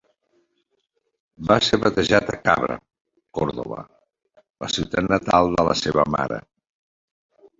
Va ser batejat a Cabra, Còrdova, la ciutat natal de la seva mare.